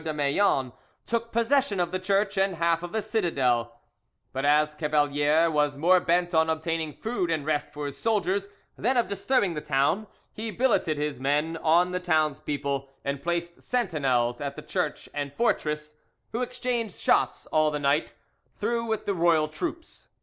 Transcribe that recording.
de Maillan, took possession of the church and half of the citadel; but as Cavalier was more bent on obtaining food and rest for his soldiers than of disturbing the town, he billeted his men on the townspeople, and placed sentinels at the church and fortress, who exchanged shots all the night through with the royal troops.